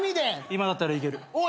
今だったらいける。